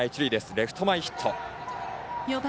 レフト前ヒット。